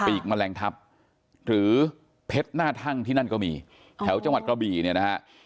แมลงทัพหรือเพชรหน้าทั่งที่นั่นก็มีแถวจังหวัดกระบี่เนี่ยนะฮะ